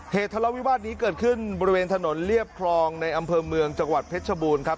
ทะเลาวิวาสนี้เกิดขึ้นบริเวณถนนเรียบคลองในอำเภอเมืองจังหวัดเพชรชบูรณ์ครับ